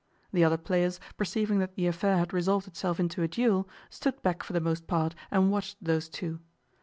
The other players, perceiving that the affair had resolved itself into a duel, stood back for the most part and watched those two.